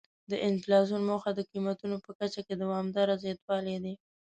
د انفلاسیون موخه د قیمتونو په کچه کې دوامداره زیاتوالی دی.